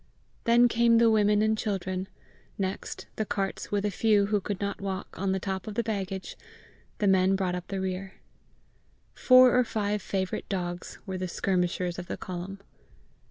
Then came the women and children; next, the carts, with a few, who could not walk, on the top of the baggage; the men brought up the rear. Four or five favourite dogs were the skirmishers of the column.